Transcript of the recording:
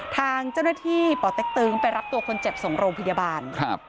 ทางเจ้าหน้าที่ป่อเต็กตึงไปรับตัวคนเจ็บส่งโรงพยาบาลครับ